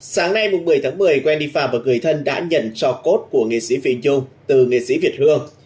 sáng nay một mươi tháng một mươi wendy phạm và người thân đã nhận cho cốt của nghệ sĩ phi nhung từ nghệ sĩ việt hương